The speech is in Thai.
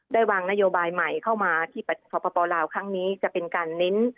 ได้วางนโยบายใหม่เข้ามาที่สปลาวครั้งนี้จะเป็นการเน้น